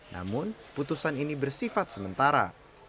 namun putusan ini bersifat sementara